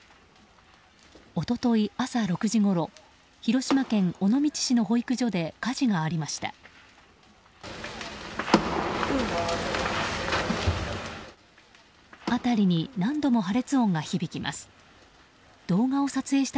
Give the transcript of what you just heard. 一昨日朝６時ごろ広島県尾道市の保育所で火事がありました。